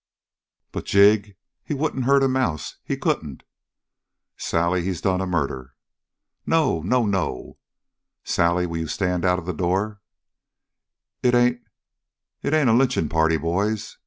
"But Jig he wouldn't hurt a mouse he couldn't!" "Sally, he's done a murder!" "No, no, no!" "Sally, will you stand out of the door?" "It ain't it ain't a lynching party, boys?